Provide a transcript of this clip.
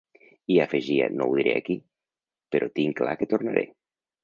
I afegia: No ho diré aquí, però tinc clar que tornaré.